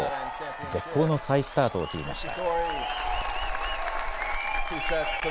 絶好の再スタートを切りました。